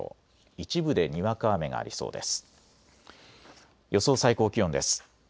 一部でにわか雨がありそうです。